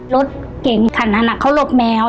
รถเก่งขันหนักเขาลบแมว